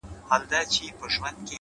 • ماته جهاني د ګل پر پاڼو کیسې مه لیکه,